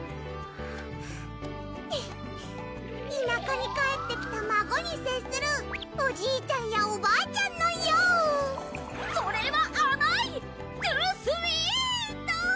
田舎に帰ってきた孫にせっするおじいちゃんやおばあちゃんのようそれはあまいトゥースイート！